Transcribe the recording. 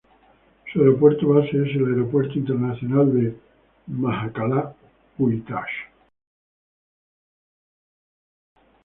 Su aeropuerto base es el Aeropuerto Internacional de Majachkalá-Uytash.